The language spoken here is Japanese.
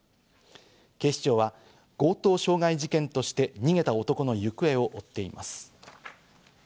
警視庁は強盗傷害事件として、逃げた男の行方を追っています。